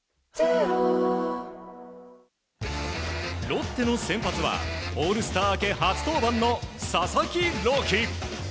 ロッテの先発はオールスター明け初登板の佐々木朗希。